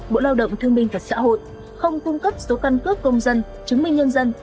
bộ lao động thương minh và xã hội không cung cấp số căn cước công dân chứng minh nhân dân